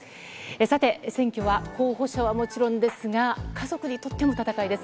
さて、選挙は候補者はもちろんですが、家族にとっても戦いです。